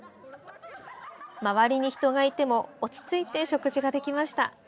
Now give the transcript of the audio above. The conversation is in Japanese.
周りに人がいても落ち着いて食事ができました。